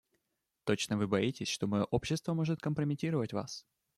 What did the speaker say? Точно вы боитесь, что мое общество может компрометировать вас.